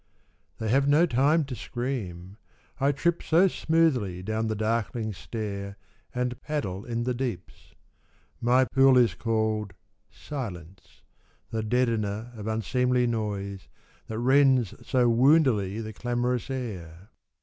They have no time to scream, I trip so smoothly down the darkling stair And paddle in the deeps. My pool is called Silence, the deadener of unseemly noise, That rends so woundily the clamorous air.